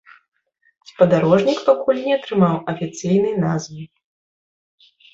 Спадарожнік пакуль не атрымаў афіцыйнай назвы.